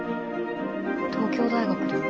東京大学と。